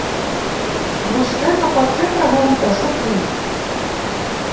Vostè no pot fer preguntes aquí.